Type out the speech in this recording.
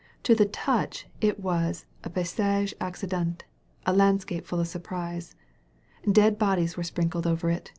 To the touch it was a pay sage acddenU, a landscape full of surprises. Dead bodies were sprinkled over it.